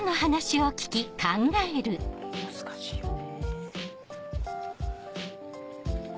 難しいよね。